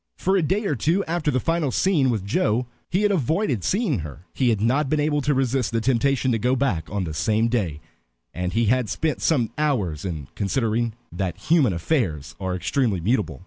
For a day or two after the final scene with Joe he had avoided seeing her. He had not been able to resist the temptation to go back on the same day, and he had spent some hours in considering that human affairs are extremely mutable.